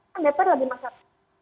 kan dpr lagi masak